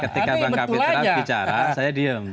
ketika bang kapitra bicara saya diem